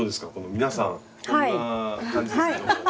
皆さんこんな感じですけども。